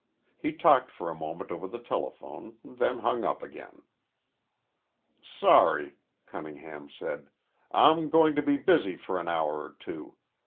He talked for a moment over the telephone, then hung up again. "Sorry," Cunningham said, "I'm going to be busy for an hour or two.